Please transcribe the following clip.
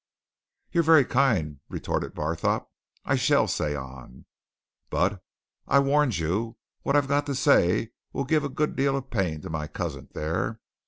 "You're very kind," retorted Barthorpe. "I shall say on! But I warned you what I've got to say will give a good deal of pain to my cousin there.